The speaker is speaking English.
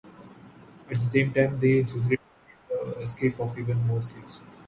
At the same time, they facilitated the escape of even more slaves.